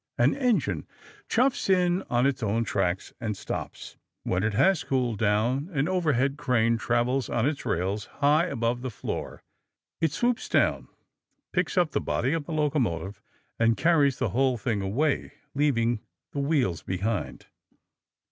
An engine chuffs in on its own tracks and stops. When it has cooled down, an overhead crane travels on its rails high above the floor. It swoops down, picks up the body of the locomotive and carries the whole thing away, leaving the wheels behind.